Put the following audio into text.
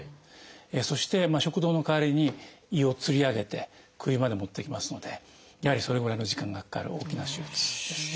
そして食道の代わりに胃をつり上げて首まで持ってきますのでやはりそれぐらいの時間がかかる大きな手術ですね。